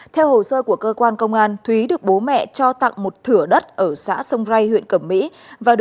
theo hồ sơ của cơ quan công an thúy được bố mẹ cho tặng một thửa đất ở xã sông ray huyện cẩm mỹ